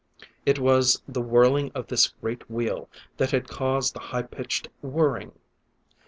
It was the whirling of this great wheel that had caused the high pitched whirring.